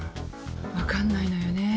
分かんないのよね正直。